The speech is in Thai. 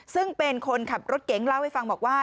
ซึ่งเป็นคนขับรถเก๋งเล่าให้ฟังบอกว่า